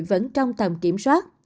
vẫn trong tầm kiểm soát